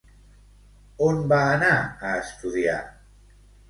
On va anar a estudiar?